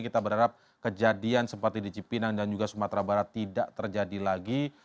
kita berharap kejadian seperti di cipinang dan juga sumatera barat tidak terjadi lagi